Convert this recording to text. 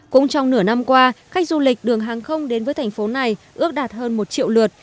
cũng trong nửa năm qua khách du lịch đường hàng không đến với thành phố này ước đạt hơn một triệu lượt